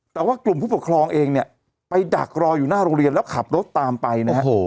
แต่ว่ากลุ่มผู้ปกครองเองเนี่ยไปดักรออยู่หน้าโรงเรียนแล้วขับรถตามไปนะฮะ